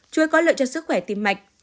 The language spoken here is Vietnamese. chúi có lợi cho sức khỏe tim mạch